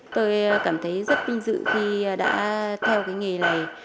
tôi cảm thấy rất vinh dự khi đã theo cái nghề này